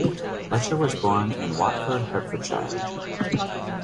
Fletcher was born in Watford, Hertfordshire.